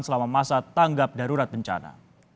selama masa tanggap darurat bencana